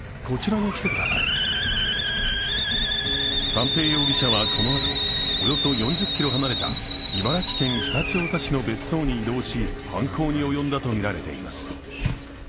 三瓶容疑者はこのあと、およそ４０ｋｍ離れた茨城県常陸太田市の別荘に移動し、犯行に及んだとみられています。